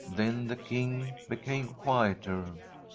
Then the King became quieter.